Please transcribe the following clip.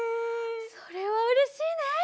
それはうれしいね！